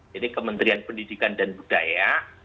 jadi kementerian pendidikan dan budaya